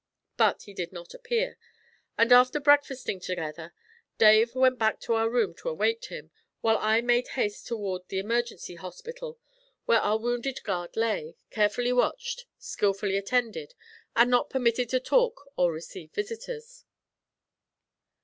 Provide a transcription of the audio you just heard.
But he did not appear; and after breakfasting together, Dave went back to our room to await him, while I made haste toward the Emergency Hospital, where our wounded guard lay, carefully watched, skilfully attended, and not permitted to talk or receive visitors.